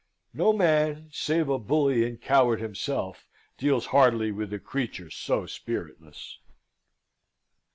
No man, save a bully and coward himself, deals hardly with a creature so spiritless.